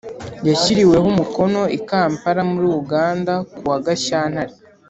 yashyiriweho umukono i Kampala muri Uganda ku wa Gashyantare